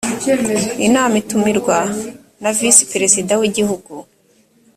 inama itumirwa na visi perezida wigihugu